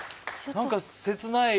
何か切ない。